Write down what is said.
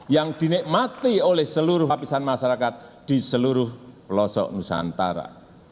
yang dinikmati oleh seluruh hapisan masyarakat di seluruh pelosok nusantara